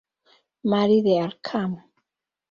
Mary de Arkham.